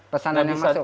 pesanan yang masuk